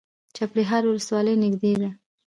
د چپرهار ولسوالۍ نږدې ده